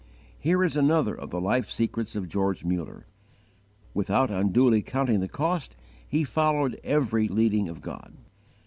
Here is another of the life secrets of George Muller. Without unduly counting the cost, he followed every leading of God.